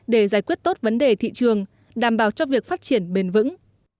để giải quyết tốt vấn đề thị trường đảm bảo cho việc phát triển bền vững